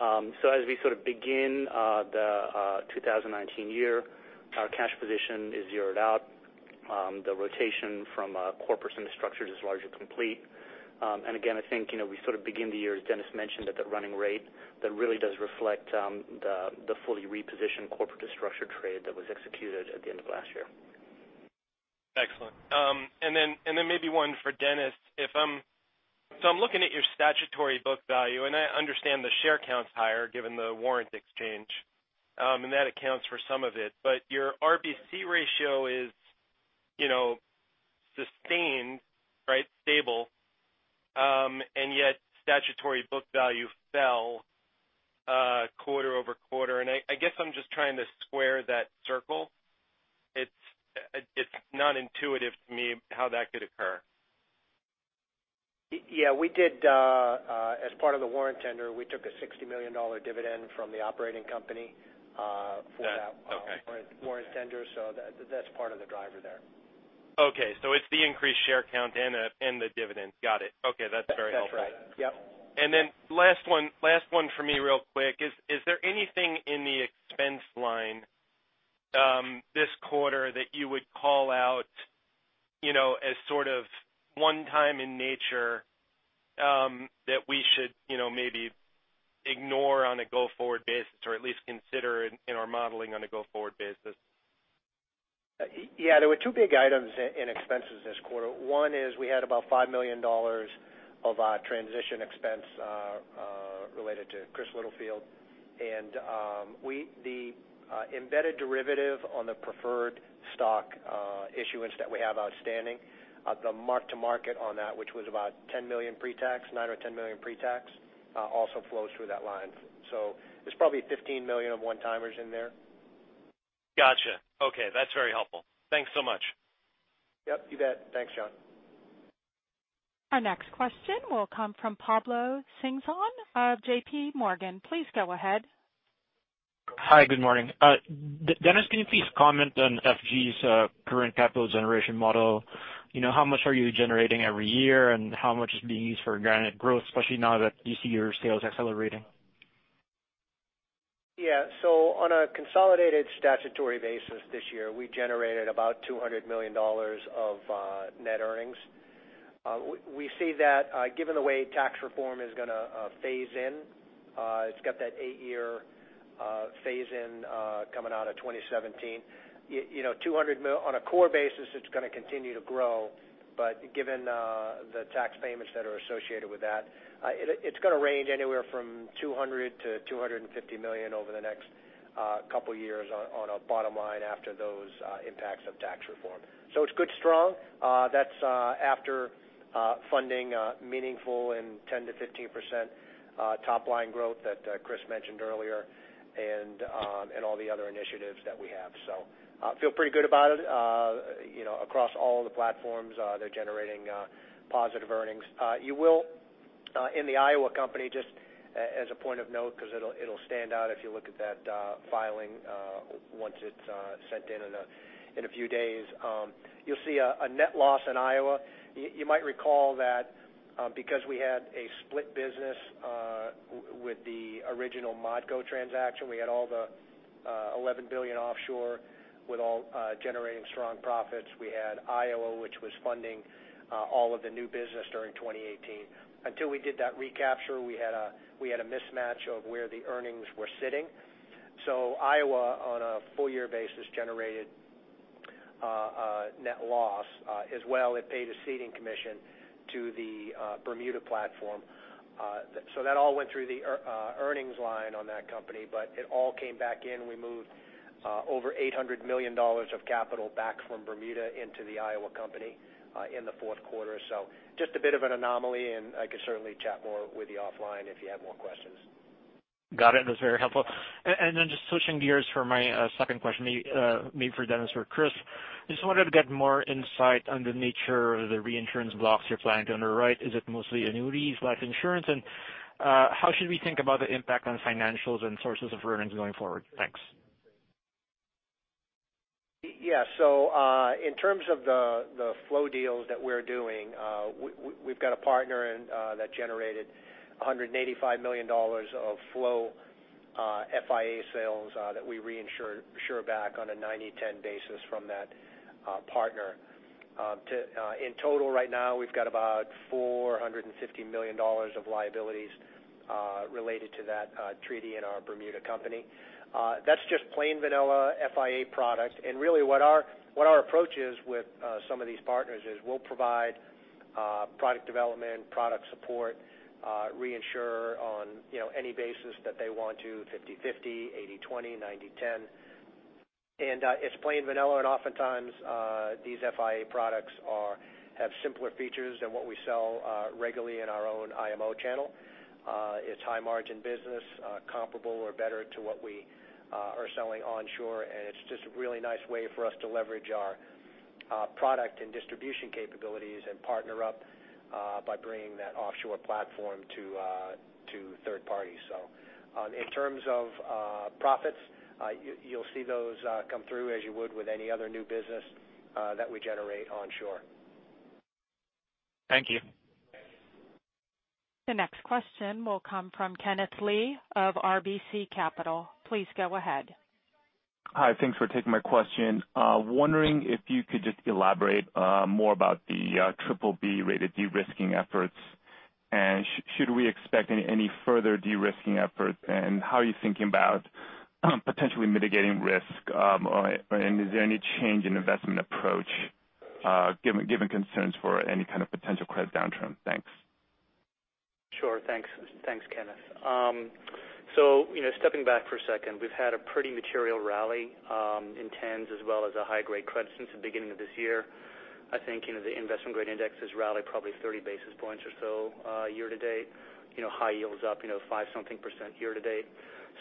As we begin the 2019 year, our cash position is zeroed out. The rotation from corporate semi-structured is largely complete. Again, I think, we begin the year, as Dennis mentioned, at the running rate that really does reflect the fully repositioned corporate to structured trade that was executed at the end of last year. Excellent. Then maybe one for Dennis. I'm looking at your statutory book value, and I understand the share count's higher given the warrant exchange, and that accounts for some of it. Your RBC ratio is sustained, right? Stable. Yet statutory book value fell quarter-over-quarter. I guess I'm just trying to square that circle. It's not intuitive to me how that could occur. Yeah. As part of the warrant tender, we took a $60 million dividend from the operating company for that- Okay warrant tender, so that's part of the driver there. Okay. It's the increased share count and the dividend. Got it. Okay. That's very helpful. That's right. Yep. Last one for me real quick. Is there anything in the expense line this quarter that you would call out as sort of one time in nature that we should maybe ignore on a go-forward basis, or at least consider in our modeling on a go-forward basis? There were two big items in expenses this quarter. One is we had about $5 million of transition expense related to Chris Littlefield. The embedded derivative on the preferred stock issuance that we have outstanding, the mark-to-market on that, which was about $10 million pre-tax, $9 or $10 million pre-tax, also flows through that line. There's probably $15 million of one-timers in there. Got you. Okay, that's very helpful. Thanks so much. Yep, you bet. Thanks, John. Our next question will come from Pablo Singzon of J.P. Morgan. Please go ahead. Hi. Good morning. Dennis, can you please comment on F&G's current capital generation model? How much are you generating every year, and how much is being used for guaranteed growth, especially now that you see your sales accelerating? Yeah. On a consolidated statutory basis this year, we generated about $200 million of net earnings. We see that given the way tax reform is going to phase in, it's got that eight-year phase-in coming out of 2017. On a core basis, it's going to continue to grow, given the tax payments that are associated with that, it's going to range anywhere from $200 million-$250 million over the next couple of years on a bottom line after those impacts of tax reform. It's good strong. That's after funding meaningful and 10%-15% top-line growth that Chris mentioned earlier and all the other initiatives that we have. I feel pretty good about it. Across all the platforms, they're generating positive earnings. You will, in the Iowa Company, just as a point of note, because it'll stand out if you look at that filing once it's sent in in a few days, you'll see a net loss in Iowa. You might recall that because we had a split business with the original ModCo transaction, we had all the $11 billion offshore with all generating strong profits. We had Iowa, which was funding all of the new business during 2018. Until we did that recapture, we had a mismatch of where the earnings were sitting. Iowa, on a full-year basis, generated a net loss. As well, it paid a ceding commission to the Bermuda platform. That all went through the earnings line on that company, but it all came back in. We moved over $800 million of capital back from Bermuda into the Iowa Company in the fourth quarter. Just a bit of an anomaly, and I could certainly chat more with you offline if you have more questions. Got it. That's very helpful. Just switching gears for my second question, maybe for Dennis or Chris, I just wanted to get more insight on the nature of the reinsurance blocks you're planning to underwrite. Is it mostly annuities, life insurance, and how should we think about the impact on financials and sources of earnings going forward? Thanks. Yeah. In terms of the flow deals that we're doing, we've got a partner that generated $185 million of flow FIA sales that we reinsure back on a 90/10 basis from that partner. In total, right now, we've got about $450 million of liabilities related to that treaty in our Bermuda company. That's just plain vanilla FIA product. Really what our approach is with some of these partners is we'll provide product development, product support, reinsure on any basis that they want to, 50/50, 80/20, 90/10. It's plain vanilla, and oftentimes these FIA products have simpler features than what we sell regularly in our own IMO channel. It's high-margin business, comparable or better to what we are selling onshore, and it's just a really nice way for us to leverage our product and distribution capabilities and partner up by bringing that offshore platform to third parties. In terms of profits, you'll see those come through as you would with any other new business that we generate onshore. Thank you. The next question will come from Kenneth Lee of RBC Capital. Please go ahead. Hi. Thanks for taking my question. Wondering if you could just elaborate more about the BBB-rated de-risking efforts. Should we expect any further de-risking efforts? How are you thinking about potentially mitigating risk? Is there any change in investment approach given concerns for any kind of potential credit downturn? Thanks. Sure. Thanks, Kenneth. Stepping back for a second, we've had a pretty material rally in tens as well as a high-grade credit since the beginning of this year. I think the investment-grade indexes rallied probably 30 basis points or so year-to-date. High yield is up 5-something % year-to-date.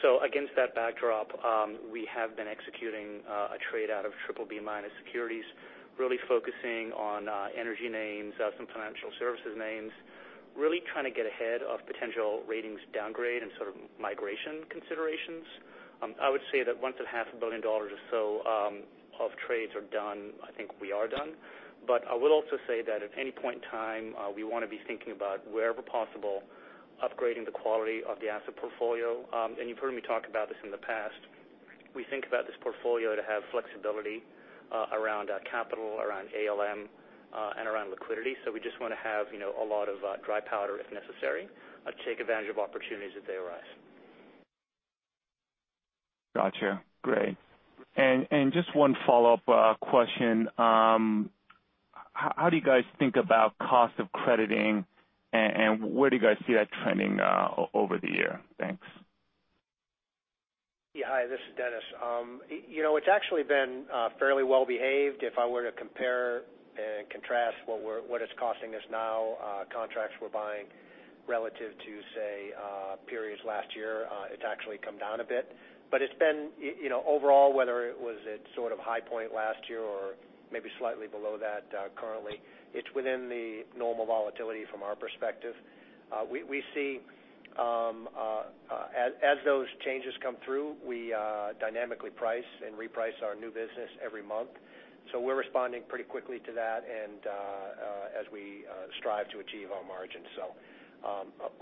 Against that backdrop, we have been executing a trade out of BBB- securities, really focusing on energy names, some financial services names, really trying to get ahead of potential ratings downgrade and sort of migration considerations. I would say that once the half a billion dollars or so of trades are done, I think we are done. I will also say that at any point in time, we want to be thinking about wherever possible upgrading the quality of the asset portfolio. You've heard me talk about this in the past. We think about this portfolio to have flexibility around capital, around ALM, and around liquidity. We just want to have a lot of dry powder if necessary to take advantage of opportunities as they arise. Got you. Great. Just one follow-up question. How do you guys think about cost of crediting, and where do you guys see that trending over the year? Thanks. Yeah. Hi, this is Dennis. It's actually been fairly well-behaved. If I were to compare and contrast what it's costing us now, contracts we're buying relative to, say, periods last year, it's actually come down a bit. It's been, overall, whether it was at sort of high point last year or maybe slightly below that currently, it's within the normal volatility from our perspective. We see as those changes come through, we dynamically price and reprice our new business every month. We're responding pretty quickly to that and as we strive to achieve our margins.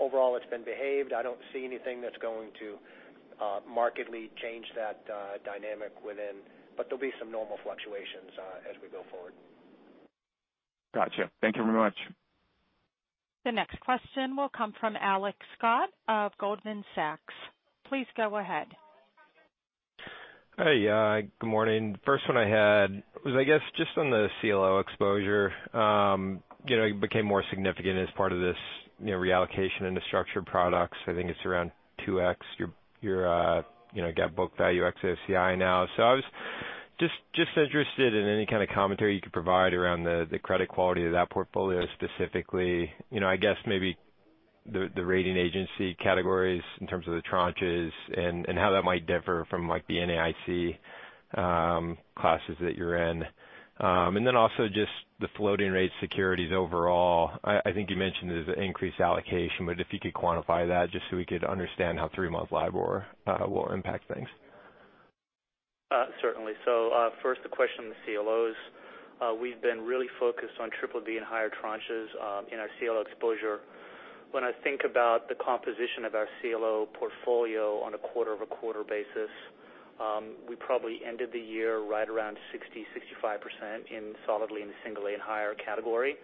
Overall, it's been behaved. I don't see anything that's going to markedly change that dynamic within, but there'll be some normal fluctuations as we go forward. Got you. Thank you very much. The next question will come from Alex Scott of Goldman Sachs. Please go ahead. Hey, good morning. First one I had was, I guess, just on the CLO exposure. It became more significant as part of this reallocation into structured products. I think it's around 2x your GAAP book value ex AOCI now. I was just interested in any kind of commentary you could provide around the credit quality of that portfolio specifically. I guess maybe the rating agency categories in terms of the tranches and how that might differ from the NAIC classes that you're in. Also just the floating rate securities overall. I think you mentioned there's an increased allocation, but if you could quantify that just so we could understand how three-month LIBOR will impact things. Certainly. First, the question on the CLOs. We've been really focused on triple B and higher tranches in our CLO exposure. When I think about the composition of our CLO portfolio on a quarter-over-quarter basis, we probably ended the year right around 60%-65% solidly in the single A and higher category.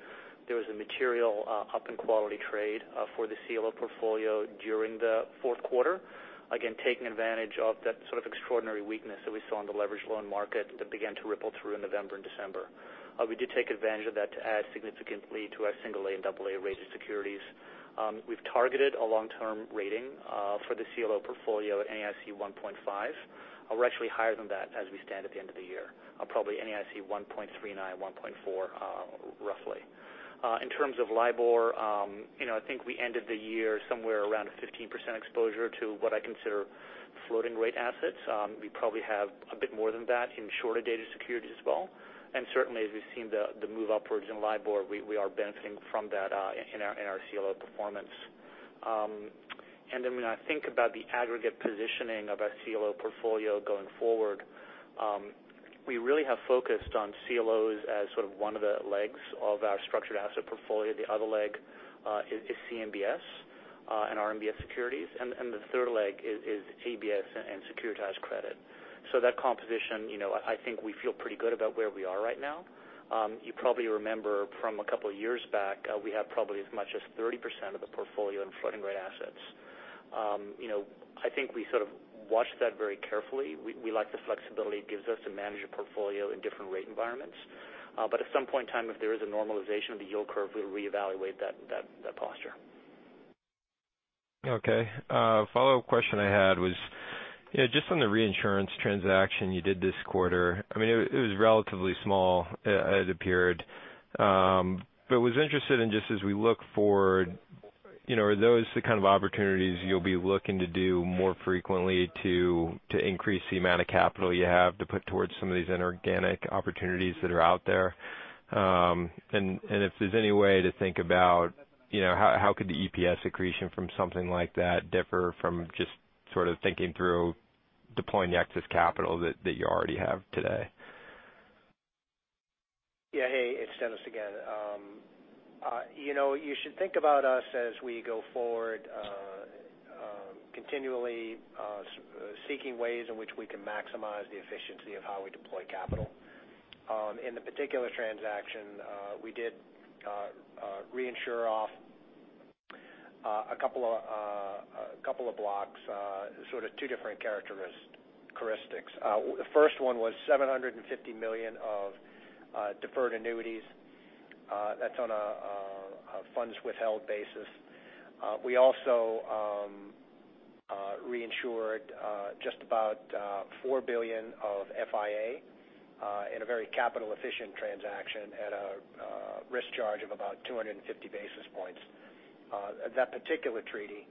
There was a material up in quality trade for the CLO portfolio during the fourth quarter. Again, taking advantage of that sort of extraordinary weakness that we saw in the leverage loan market that began to ripple through in November and December. We did take advantage of that to add significantly to our single A and double A rated securities. We've targeted a long-term rating for the CLO portfolio at NAIC 1.5. We're actually higher than that as we stand at the end of the year, probably NAIC 1.39, 1.4 roughly. In terms of LIBOR, I think we ended the year somewhere around a 15% exposure to what I consider floating rate assets. We probably have a bit more than that in shorter dated securities as well. Certainly, as we've seen the move upwards in LIBOR, we are benefiting from that in our CLO performance. When I think about the aggregate positioning of our CLO portfolio going forward, we really have focused on CLOs as sort of one of the legs of our structured asset portfolio. The other leg is CMBS and RMBS securities, and the third leg is ABS and securitized credit. That composition, I think we feel pretty good about where we are right now. You probably remember from a couple of years back, we have probably as much as 30% of the portfolio in floating rate assets. I think we sort of watch that very carefully. We like the flexibility it gives us to manage a portfolio in different rate environments. At some point in time, if there is a normalization of the yield curve, we'll reevaluate that posture. Okay. A follow-up question I had was, just on the reinsurance transaction you did this quarter. It was relatively small as it appeared. Was interested in just as we look forward, are those the kind of opportunities you'll be looking to do more frequently to increase the amount of capital you have to put towards some of these inorganic opportunities that are out there? If there's any way to think about how could the EPS accretion from something like that differ from just sort of thinking through deploying the excess capital that you already have today. Yeah. Hey, it's Dennis again. You should think about us as we go forward continually seeking ways in which we can maximize the efficiency of how we deploy capital. In the particular transaction, we did reinsure off a couple of blocks, sort of two different characteristics. The first one was $750 million of deferred annuities. That's on a funds withheld basis. We also reinsured just about $4 billion of FIA in a very capital efficient transaction at a risk charge of about 250 basis points. That particular treaty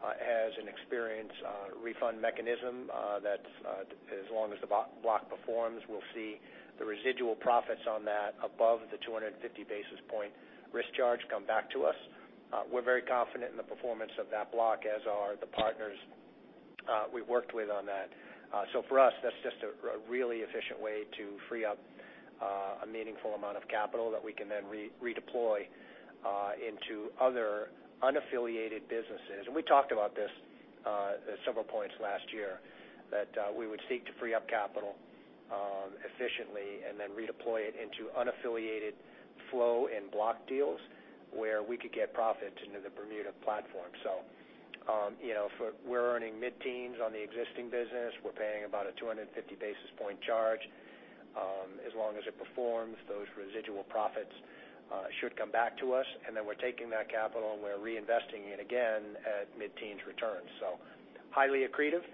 has an experience refund mechanism that as long as the block performs, we'll see the residual profits on that above the 250 basis point risk charge come back to us. We're very confident in the performance of that block, as are the partners we've worked with on that. For us, that's just a really efficient way to free up a meaningful amount of capital that we can then redeploy into other unaffiliated businesses. We talked about this at several points last year. That we would seek to free up capital efficiently and then redeploy it into unaffiliated flow and block deals where we could get profit into the Bermuda platform. We're earning mid-teens on the existing business. We're paying about a 250 basis point charge. As long as it performs, those residual profits should come back to us, and then we're taking that capital and we're reinvesting it again at mid-teens returns. Highly accretive.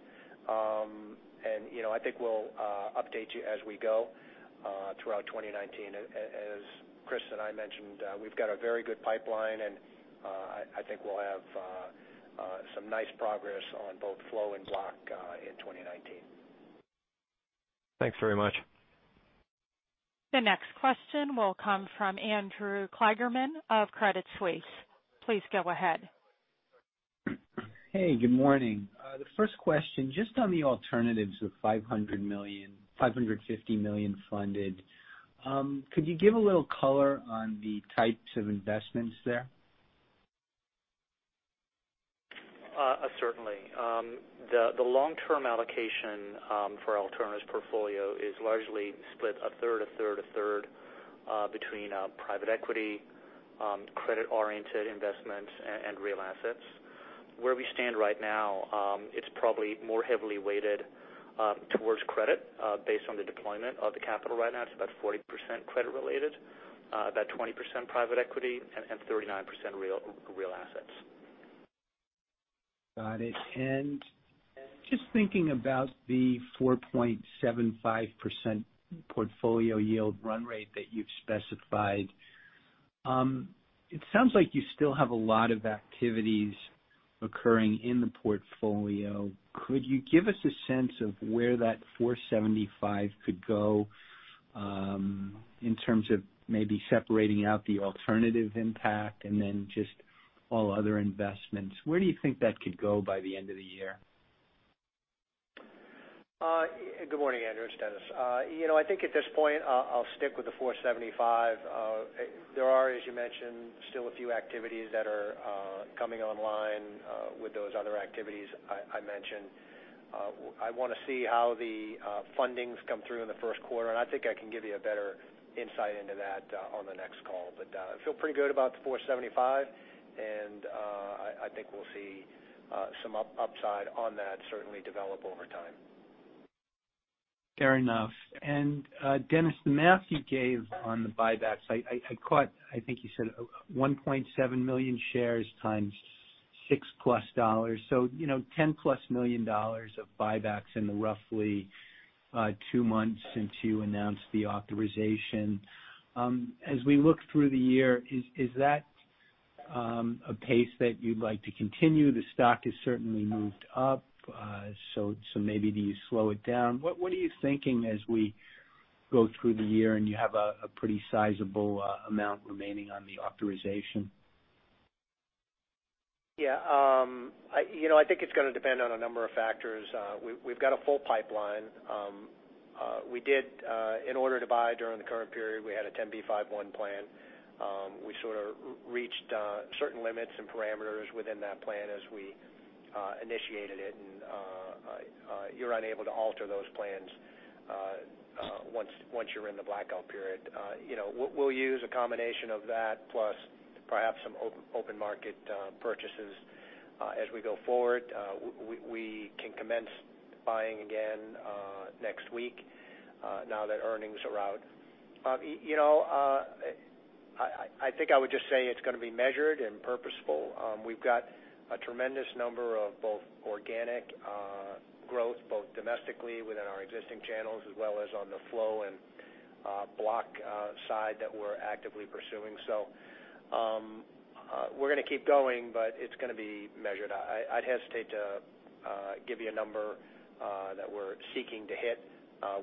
I think we'll update you as we go throughout 2019. As Chris and I mentioned, we've got a very good pipeline, and I think we'll have some nice progress on both flow and block in 2019. Thanks very much. The next question will come from Andrew Kligerman of Credit Suisse. Please go ahead. Hey, good morning. The first question, just on the alternatives of $550 million funded, could you give a little color on the types of investments there? Certainly. The long-term allocation for our alternatives portfolio is largely split a third, a third, a third between private equity, credit-oriented investments, and real assets. Where we stand right now it's probably more heavily weighted towards credit based on the deployment of the capital right now. It's about 40% credit related, about 20% private equity, and 39% real assets. Got it. Just thinking about the 4.75% portfolio yield run rate that you've specified. It sounds like you still have a lot of activities occurring in the portfolio. Could you give us a sense of where that 475 could go in terms of maybe separating out the alternative impact and then just all other investments? Where do you think that could go by the end of the year? Good morning, Andrew. It's Dennis. I think at this point, I'll stick with the 475. There are, as you mentioned, still a few activities that are coming online with those other activities I mentioned. I want to see how the fundings come through in the first quarter, and I think I can give you a better insight into that on the next call. I feel pretty good about the 475, and I think we'll see some upside on that certainly develop over time. Fair enough. Dennis, the math you gave on the buybacks, I caught, I think you said 1.7 million shares times $6-plus. $10-plus million of buybacks in the roughly two months since you announced the authorization. As we look through the year, is that a pace that you'd like to continue? The stock has certainly moved up, maybe do you slow it down. What are you thinking as we go through the year, you have a pretty sizable amount remaining on the authorization? Yeah. I think it's going to depend on a number of factors. We've got a full pipeline. In order to buy during the current period, we had a 10b5-1 plan. We sort of reached certain limits and parameters within that plan as we initiated it, you're unable to alter those plans once you're in the blackout period. We'll use a combination of that plus perhaps some open market purchases as we go forward. We can commence buying again next week now that earnings are out. I think I would just say it's going to be measured and purposeful. We've got a tremendous number of both organic growth, both domestically within our existing channels as well as on the flow and block side that we're actively pursuing. We're going to keep going, it's going to be measured. I'd hesitate to give you a number that we're seeking to hit.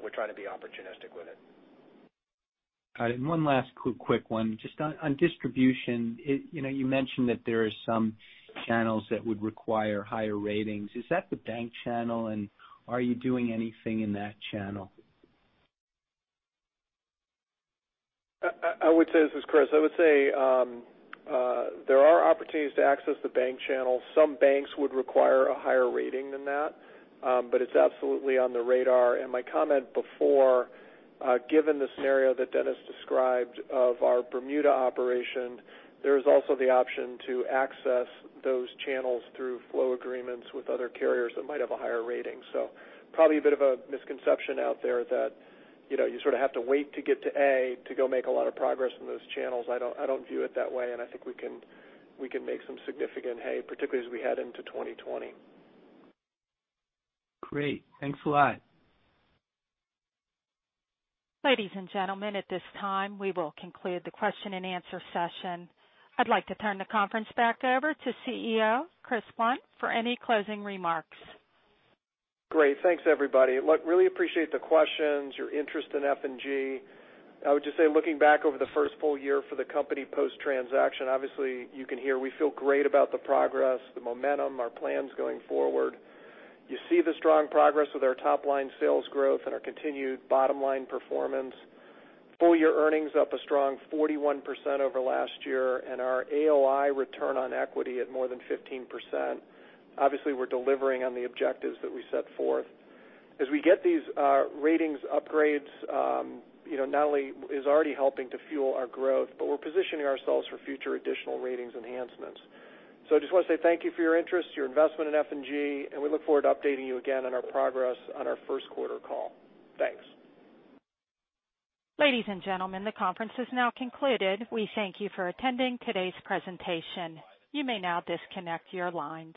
We're trying to be opportunistic with it. Got it. One last quick one. Just on distribution, you mentioned that there are some channels that would require higher ratings. Is that the bank channel, and are you doing anything in that channel? I would say, this is Chris. I would say there are opportunities to access the bank channel. Some banks would require a higher rating than that. It's absolutely on the radar. My comment before given the scenario that Dennis described of our Bermuda operation, there's also the option to access those channels through flow agreements with other carriers that might have a higher rating. Probably a bit of a misconception out there that you sort of have to wait to get to A to go make a lot of progress in those channels. I don't view it that way, and I think we can make some significant hay, particularly as we head into 2020. Great. Thanks a lot. Ladies and gentlemen, at this time, we will conclude the question and answer session. I'd like to turn the conference back over to CEO, Chris Blunt, for any closing remarks. Great. Thanks, everybody. Really appreciate the questions, your interest in F&G. I would just say, looking back over the first full year for the company post-transaction, obviously you can hear we feel great about the progress, the momentum, our plans going forward. You see the strong progress with our top-line sales growth and our continued bottom-line performance. Full-year earnings up a strong 41% over last year, and our AOI return on equity at more than 15%. Obviously, we're delivering on the objectives that we set forth. We get these ratings upgrades, not only is already helping to fuel our growth, but we're positioning ourselves for future additional ratings enhancements. I just want to say thank you for your interest, your investment in F&G, and we look forward to updating you again on our progress on our first quarter call. Thanks. Ladies and gentlemen, the conference is now concluded. We thank you for attending today's presentation. You may now disconnect your lines.